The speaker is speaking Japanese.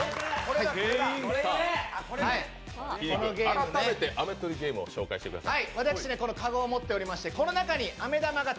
改めて飴取りゲームを紹介してください。